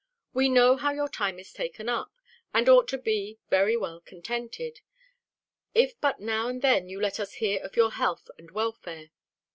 We know how your time is taken up, and ought to be very well contented, if but now and then you let us hear of your health and welfare.